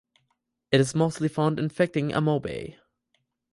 It is mostly found infecting amoebae.